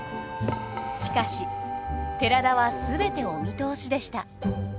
しかし寺田は全てお見通しでした。